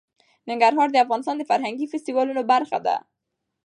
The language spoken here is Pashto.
ننګرهار د افغانستان د فرهنګي فستیوالونو برخه ده.